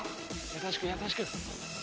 ・優しく優しく！